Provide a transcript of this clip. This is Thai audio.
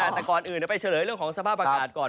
แต่ก่อนอื่นเดี๋ยวไปเฉลยเรื่องของสภาพอากาศก่อน